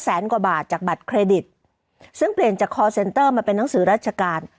กว่าบาทจากบัตรเครดิตซึ่งเปลี่ยนจากคอร์เซ็นเตอร์มาเป็นหนังสือราชการ